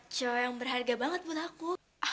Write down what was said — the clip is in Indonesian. cowok yang berharga banget buat aku